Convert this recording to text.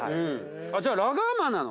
じゃあラガーマンなの？